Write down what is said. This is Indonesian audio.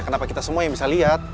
kenapa kita semua yang bisa lihat